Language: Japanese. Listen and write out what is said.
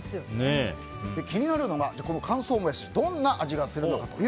気になるのが乾燥モヤシどんな味がするのか。